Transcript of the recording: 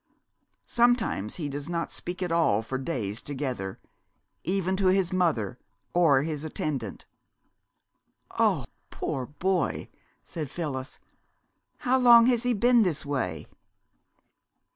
Sometimes he does not speak at all for days together, even to his mother, or his attendant." "Oh, poor boy!" said Phyllis. "How long has he been this way?"